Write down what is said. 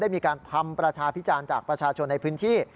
มีการทำประชาพิจารณ์จากประชาชนในพื้นที่